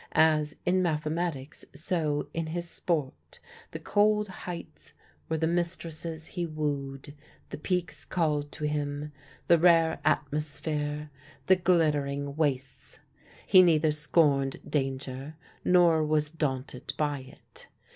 As in mathematics so in his sport, the cold heights were the mistresses he wooed; the peaks called to him, the rare atmosphere, the glittering wastes. He neither scorned danger nor was daunted by it.